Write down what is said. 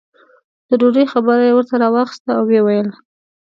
د ډوډۍ خبره یې ورته راواخسته او یې وویل.